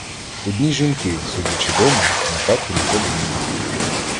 Одні жінки, сидячи дома, не так і не те думали.